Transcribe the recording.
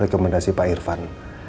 rekomendasi pak irfan